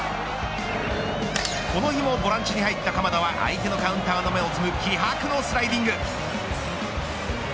この日もボランチに入った鎌田は相手のカウンターの芽を摘む気迫のスライディング。